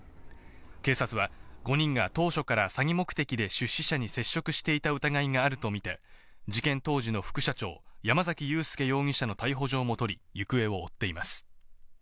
警察は５人が当初から詐欺目的で出資者に接触していた疑いがあるとみて、事件当時の副社長・山崎裕輔容疑者の逮捕状も取り、行方を追っています。